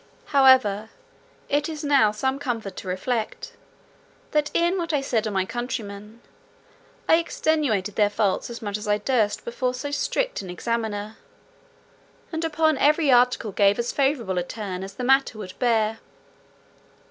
However, it is now some comfort to reflect, that in what I said of my countrymen, I extenuated their faults as much as I durst before so strict an examiner; and upon every article gave as favourable a turn as the matter would bear.